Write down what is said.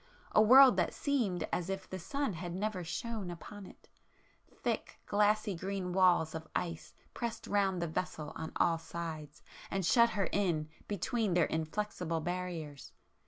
—a world that seemed as if the sun had never shone upon it. Thick glassy green walls of ice pressed round the vessel on all sides and shut her in between their inflexible barriers!